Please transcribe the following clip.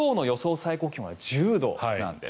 最高気温は１０度なんです。